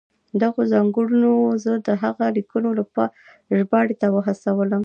دغو ځانګړنو زه د هغه د لیکنو ژباړې ته وهڅولم.